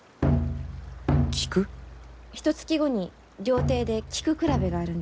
ひとつき後に料亭で菊比べがあるんです。